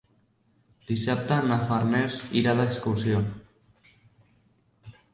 Dissabte na Farners irà d'excursió.